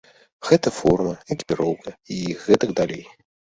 Гэта форма, экіпіроўка і гэтак далей.